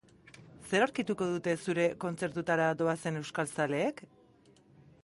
Zer aurkituko dute zure kontzertuetara doazen euskal zaleek?